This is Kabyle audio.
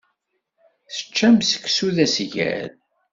Teččam seksu d asgal.